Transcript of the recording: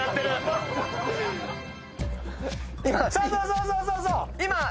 そうそうそうそう！